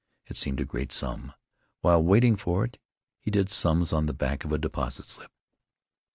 It seemed a great sum. While waiting for it he did sums on the back of a deposit slip: 92.